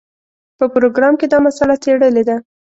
په پروګرام کې دا مسله څېړلې ده.